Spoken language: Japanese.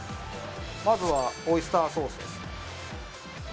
まずはオイスターソースです